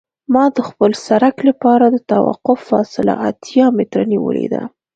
ما د خپل سرک لپاره د توقف فاصله اتیا متره نیولې ده